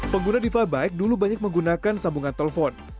pengguna diva bike dulu banyak menggunakan sambungan telepon